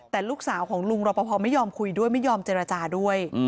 แต่ลูกสาวของลุงรอปภไม่ยอมคุยด้วยไม่ยอมเจรจาด้วย